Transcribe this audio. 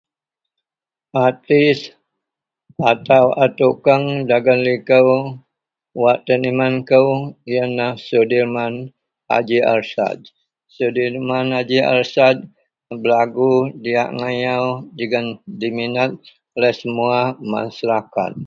artis atau a tukang dagen liko wak teniman kou, ienlah sudirman haji arshad, sudirman haji arshad berlagu diak agai yau jegum diminat oleh semua masyarakat